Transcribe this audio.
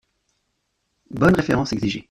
Bonnes références exigées.